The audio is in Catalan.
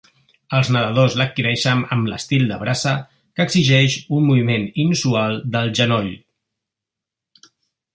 Els nedadors l'adquireixen amb l"estil de braça, que exigeix un moviment inusual del genoll.